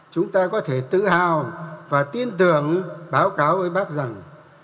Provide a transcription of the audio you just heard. chúng ta có thể tự hào và tin tưởng báo cáo với bác rằng